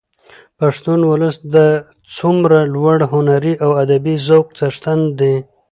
پښتون ولس د څومره لوړ هنري او ادبي ذوق څښتن دي.